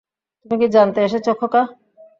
তুমি কী জানতে এসেছ, খোকা?